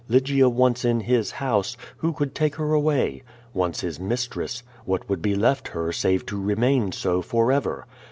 Lygia once in his house, who could take her away? Once his mistress, what would be left her save to remain so forever?